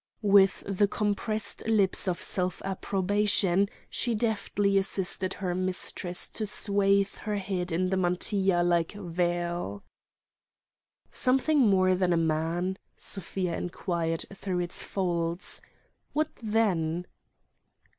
With the compressed lips of self approbation she deftly assisted her mistress to swathe her head in the mantilla like veil. "Something more than a man?" Sofia enquired through its folds. "What then?"